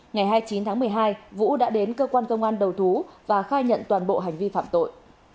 ngày hai mươi chín tháng một mươi hai vũ đã đến cơ quan công an đầu thú và khai nhận toàn bộ hành vi phạm tội